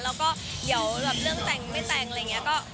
แล้วก็เดี๋ยวเรื่องแต่งไม่แต่งอะไรอย่างนี้